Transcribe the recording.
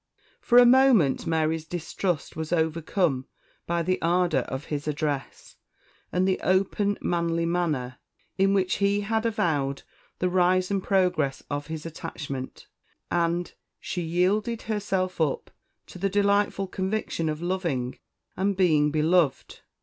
For a moment Mary's distrust was overcome by the ardour of his address, and the open manly manner in which he had avowed the rise and progress of his attachment; and she yielded herself up to the delightful conviction of loving and being beloved.